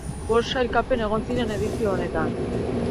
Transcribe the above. Bost sailkapen egon ziren edizio honetan.